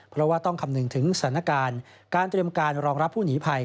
เพราะว่าต้องคำนึงถึงสถานการณ์การเตรียมการรองรับผู้หนีภัย